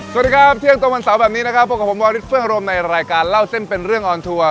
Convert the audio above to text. สวัสดีครับเที่ยงตรงวันเสาร์แบบนี้นะครับพบกับผมวาริสเฟืองอารมณ์ในรายการเล่าเส้นเป็นเรื่องออนทัวร์